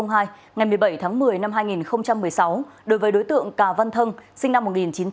ngày một mươi bảy tháng một mươi năm hai nghìn một mươi sáu đối với đối tượng cà văn thân sinh năm một nghìn chín trăm tám mươi